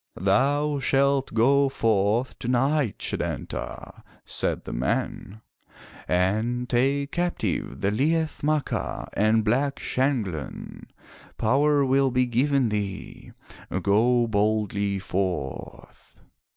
"Thou Shalt go forth tonight, Setanta," said the man, "and take captive the Liath Macha and Black Shanghlan. Power will be given thee. Go boldly forth."